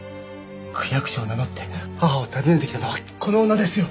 区役所を名乗って母を訪ねてきたのはこの女ですよ！